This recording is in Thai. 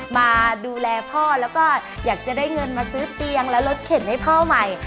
มาดูแลพ่อแล้วก็อยากจะได้เงินมาซื้อเตียงและรถเข็นให้พ่อใหม่